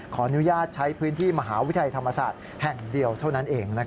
ขออนุญาตใช้พื้นที่มหาวิทยาลัยธรรมศาสตร์แห่งเดียวเท่านั้นเอง